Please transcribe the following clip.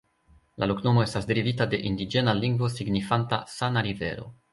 La loknomo estas derivita de indiĝena lingvo signifanta: "sana rivero".